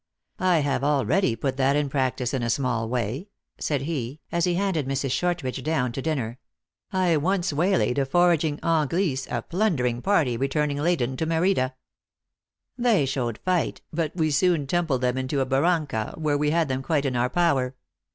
I have already put that in practice in a small way," said he, as he handed Mrs. Shortridge down to din THE ACTRESS IN HIGH LIFE. 259 ner. "I once waylaid a foraging, anglice, a plunder ing party, returning laden to Merida. They showed fight, but we soon tumbled them into a barranca, where we had them quite in our power.